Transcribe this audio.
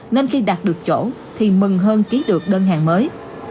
nên khi đạt được chỗ thì mừng hơn ký được đơn hàng mới